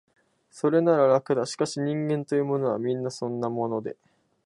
それなら、楽だ、しかし、人間というものは、皆そんなもので、